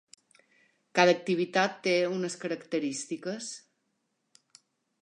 Cada activitat té unes característiques.